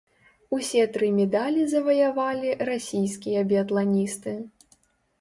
Усе тры медалі заваявалі расійскія біятланісты.